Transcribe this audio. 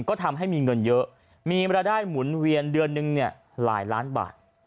ก็ทำให้มีเงินเยอะมีบรรดาหมุนเวียนเดือนนึงลายล้านบาท